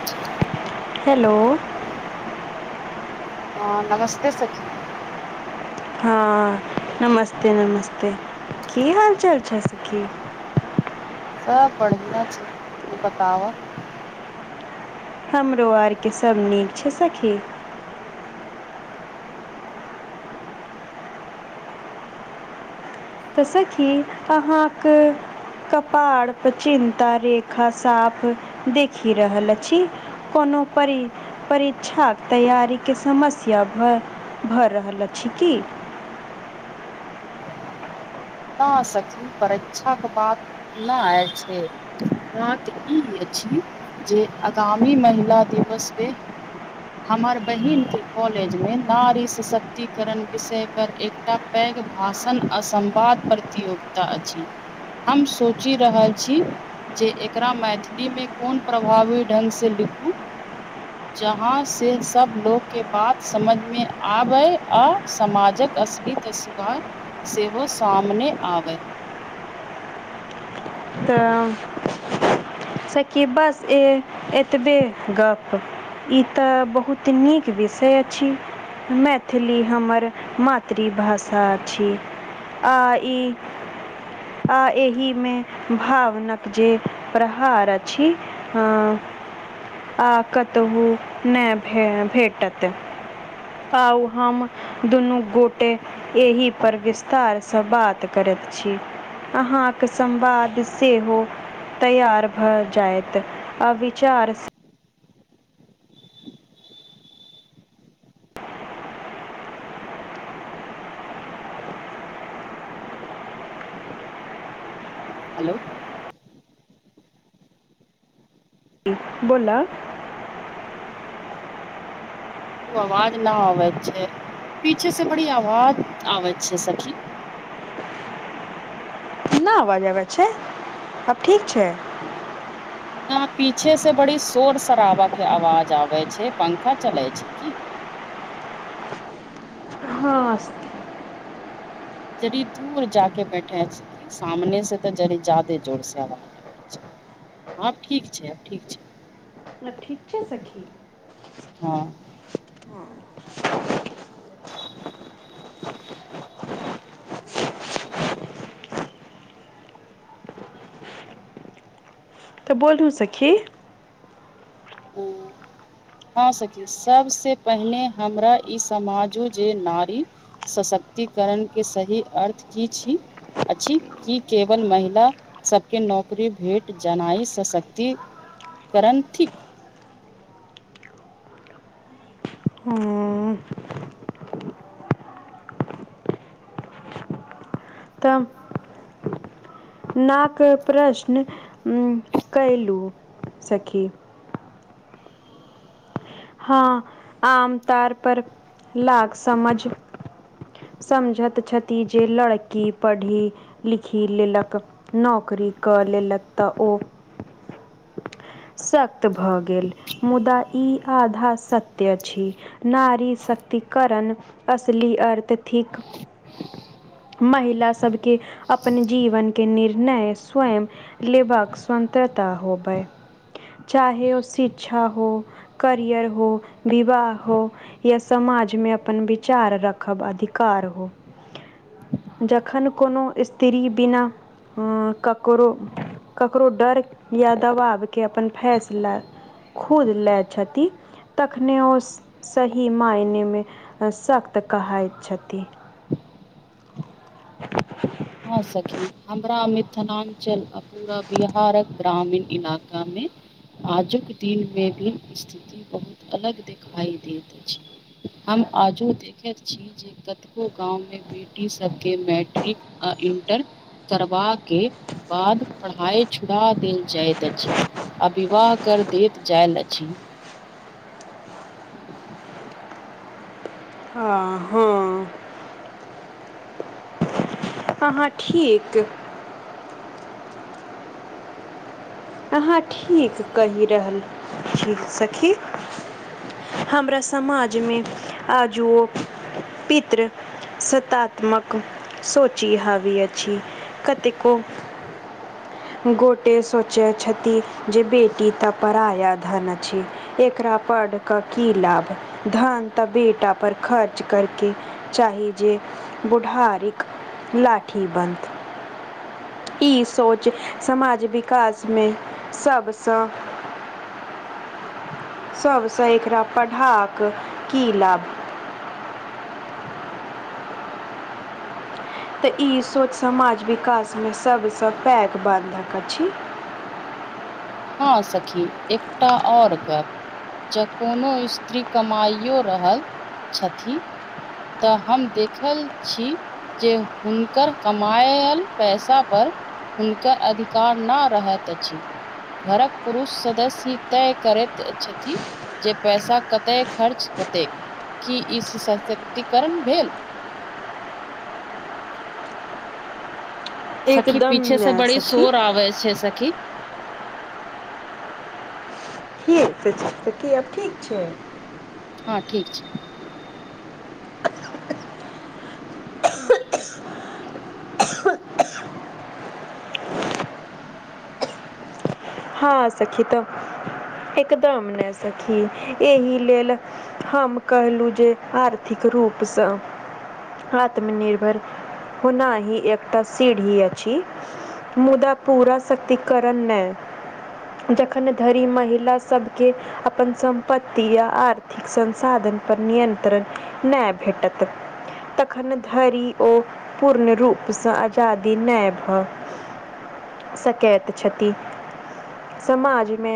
हँ हेलो हँ नमस्ते सखी हँ नमस्ते नमस्ते की हाल चाल छै सखी सब बढ़िया छै तू बताव हमरो आरके सभ नीक छै सखी तऽ सखी अहाँ के कपाड़ पे चिन्ता रेखा साफ देखि रहल अछि कोनो परी परीक्षाक तैयारी के समस्या भ भऽ रहल अछि की न सखी परीक्षा के बात नहि आय छै वा तऽ कि ई अछि जे आगामी महिला दिवस पे हमर बहिन के कॉलेज मे नारी सशक्तिकरण विषय पर एकटा पैघ भाषण आ संवाद प्रतियोगिता अछि हम सोचि रहल छी जे एकरा मैथिली मे कोन प्रभावी ढंग से लिखू जहां से सब लोग के बात समझ में आबै आ समाजक असली तसी सेहो सामने आब तऽ शकीबस ए एतबे गप ई तऽ बहुत नीक विषय अछि मैथिली हमर मातृभाषा अछि आ ई आ एहिमे भावनक जे प्रहार अछि आ कतहु नहि भे भेटत आउ हम दुनू गोटे एहिपर विस्तार सँ बात करैत छी अहाँ के संवाद सेहो तैयार भ जायत आ विचार हेलो बोला ओ आवाज न आबैत छै पीछे से बड़ी आवाज आबैत छै सखी कतना आवाज आबै छै आब ठीक छै ना पीछे से बड़ी शोर शराबा के आवाज आबे छै पंखा चले छै की हँ स जड़ी दूर जाक बैठे छी सामने से त जरी जादे जोर से आवाज आब ठीक छै आब ठीक छै आब ठीक छै सखी हँ हँ तऽ बोलू सखी हँ सखी सबस पहिने हमरा ई समाजु जे नारी सशक्तिकरण के सही अर्थ की छी अछि की केवल महिला सबके नौकरी भेट जनाई सशक्तिकरण थिक ह तब नाक प्रश्न कैलू सखी हँ आमतार पर लााग समझ समझत छती जे लड़की पढ़ी लिखी लेलक नौकरी कर लेलक तऽ ओ सत्त भऽ गेल मुदा ई आधा सत्य छी नारी सक्तिकरण असल अर्थ थिक महिला सबके अपनने जीवन के निर्णय स्वयं लेबक स्वंत्रत्रता होबै चाहे ओ शिक्षा हो करियर हो विवाह हो या समाजमे अपन विचार रखब अधिकार हो जखन कोनो स्त्री बिना ककरो ककरो डर या दबावके अपन फैँसला खुद लए छथि तखने ओ सही मायने मे सख्त कहाइत छथि हँ सखी हमरा मिथिलाञ्चल आ पूरा बिहारक ग्रामीन इलाका मे आजुक दिन मे भ स्थिति बहुत अलग देखिाई दैत अछि हम आजो देखैत छी जे कतेको गाम मे बेटी सभके मैट्रिक आ इणटर करबाक बाद पढ़ाइ छुड़ा देल जाइत अछि अविवाह कर दैत जायल अछि आ हँ अहाँ ठीक अहाँ ठीक कहि रहल छी सखी हमरा समाज मे आजू पित्र स्तात्मक सोची हवी अछि कतेको गोटे सोचैत छथि जे बेटी तऽ पराया धन अछि एकरा पड का की लाभ धन तऽ बेटा पर खर्च करके चाहि जे गुढ़ारिक लाठी बनि ई सोच समाज विकासमे सबसँ सभसँ एकरा पढ़ाक की लाभ तऽ ई सोच समाज विकासमे सबसँ पैघ बन्धक अछि हँ सखी एकटा और गप जँ कोनो स्त्री कमाइओ रहल छथि तऽ हम देखल छी जे हुनकर कमाायल पैसा पर हुनकर अधिकार नहि रहैत अछि घरक पुरुष सदस्य तय करैत छथिन जे पैसा कते खर्च होते की ई सशक्तिकरण भेल सखी एकदम पीछे से नै बड़ी सखी। शोर आबै छै सखी ठीक छै ठीक से की आब ठीक छै हँ ठीक छै हँ सखी तऽ एकदर्म ने सखी इह लेल हम कहलहुँ जे आर्थिक रूप सँ आत्मनिर्भर होनाही एकटा सीढी अछि मुदा पूरा सशक्तीकरण नहि जखन धरि महिला सभके अपन सम्प्तति या आर्थिक संसाधन पर नियंत्रण नहि भेटत तखन धरि ओ पूर्ण रूप सँ आजादी नहि भऽ सकैत छथि समाज मे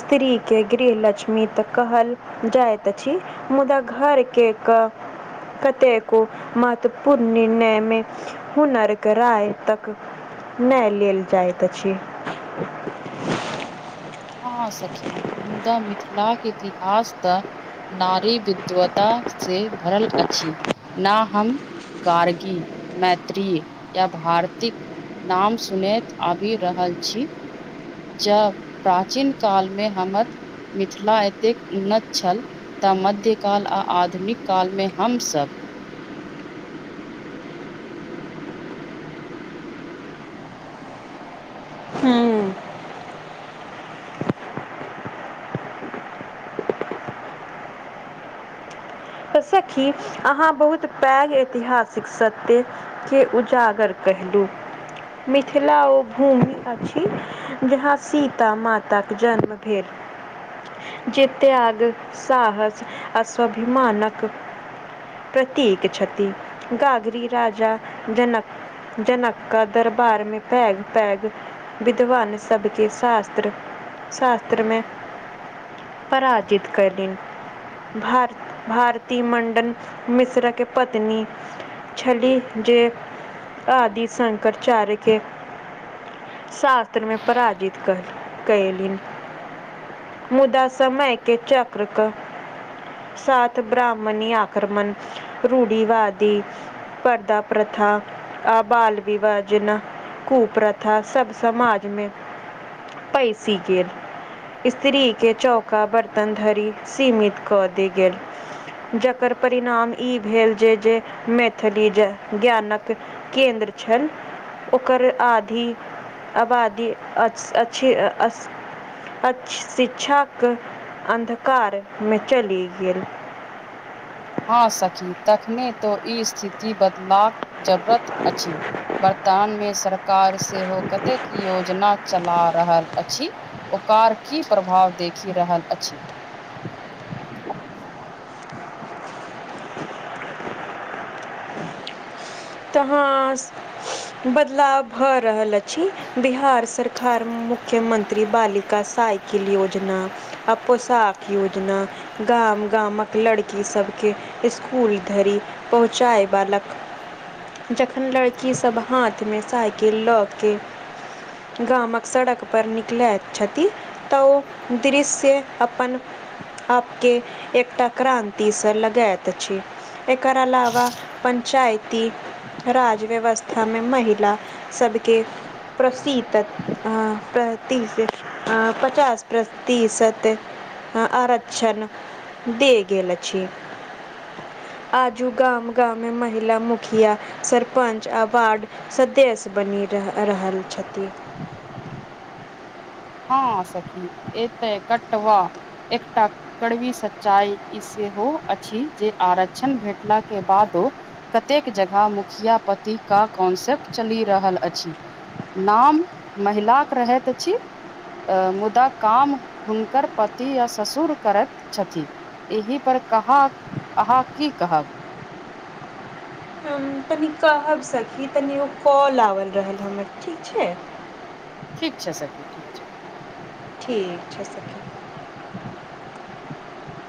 स्त्री के गृह लक्ष्मी तऽ कहल जाइत अछि मुदा घर के कऽ कते को महत्वपूर्ण निर्णय मे हुनर कराय तक नहि लेल जाइत अछि [unintelligible] हँ सखी मुदा मिथिलाक के इतिहास तऽ नारी विद्वता से भरल अछि न हम गार्गी मत्रीय या भारतिक नाम सुनैत आबि रहल छी जब प्राचीन काल मे हमर मिथिला एतेक उन्नत छल तऽ मध्य काल आ आधुनिक काल मे हमसभ तऽ सखी अहाँ बहुत पैघ ऐतिहासिक सत्य के उजागर कलू मिथिला ओ भूमि अछि जहाँ सीता माताक जन्म भेलर जेते त्यग साहस अस्वाभिमानक प्रतीक छथि गाग्री राजा जनक जनका दरबार मे पेग पेग विध्वान सभके शास्त्र शास्त्रमे पराजित करलनि भार भार ती मं्डन मिश्र के पत्नी छली जे आदि शङकरचारके शास्त्रमें पराजित कर कयलिन मुदा समय के चक्रक साथ ब्राह्मणी आक्रमण रूढ़ीवादी परदा प्रथा आ बाल विबाहजना कूप्रथा सब समाजमे पैसी गेल स्त्रीके चौका बर्तन धरि सीमित कऽ देल गेल जकर परिणाम ई भेल जे जे मैथिली ज्ञानक केन्द्र छल ओकर आधि आबादी अ अछी अस अच्छी शिक्षाक अन्धकार मे चली गेल ह सकी तखने तो ई स्थिति बदलबाक जरूरत अछि वर्तमान मे सरकार सेहो कतेक योजना चला रहल अछि ओकार की प्रभाव देखि रहल अछि तहाँ बदलाव भऽ रहल अछि बिहार सरकार मुख्यमंत्री बालि का साइकिल योजना अपो सााक योजना गाम गामक लड़कीसभके इसकुल धरि पहुँचयवालक जखन लड़कीसभ हाथमे साइकिल लऽ के गामक सड़क पर निकल अ छाती तऽ ओ दृश्य अपन आपके एकटा क्रानति स लगायैत अछि एक अलवा पञ्चायत राज व्यवस्थामे महिला सभके प्रसितन अ पतीस आ पचास प तीसत आरक्षण दे गेल अछि आजू गाम गामे महिला मुख मुखिया सरपञ्च आ वार्ड सदस्य बनि रहल छथिन हँ सखि एतै कटव एकटा कड़वी सच्चाइ इ सेहो अछि जे आरक्षण भेटला के बादो कतेक जगह मुखिया पतिके कॉन्सेप्ट चलि रहल अछि नाम महिलाक रहैत अछि मुदा काम हुनकर पति आ ससुर करैत छथिन एहि पर कहाँ अहाँ की कहब ह तनि कहब सखी तनि ओ कॉल आओल रहल हमर ठीक छै ठीक छै सखी ठीक छै ठीक छै सखि